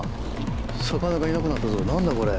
魚がいなくなったぞ何だこれ。